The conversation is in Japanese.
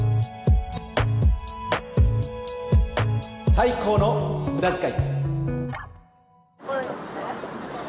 「最高の無駄遣い」。